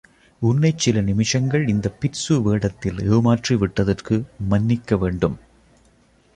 உன்னைச் சில நிமிஷங்கள் இந்த பிட்சு வேடத்தில் ஏமாற்றி விட்டதற்கு மன்னிக்க வேண்டும்.